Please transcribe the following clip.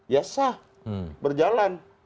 ya sah berjalan